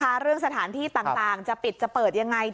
เรื่องสถานที่ต่างจะปิดจะเปิดยังไง